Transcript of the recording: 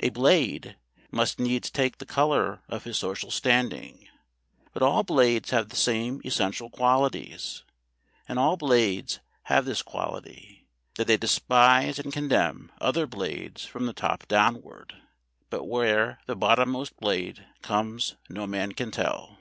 A Blade must needs take the colour of his social standing, but all Blades have the same essential qualities. And all Blades have this quality, that they despise and contemn other Blades from the top downward. (But where the bottommost Blade comes no man can tell.)